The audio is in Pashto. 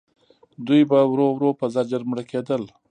دوی به ورو ورو په زجر مړه کېدل.